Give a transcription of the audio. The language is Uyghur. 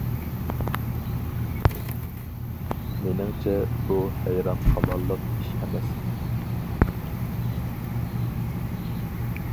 مېنىڭچە، بۇ ھەيران قالارلىق ئىش ئەمەس.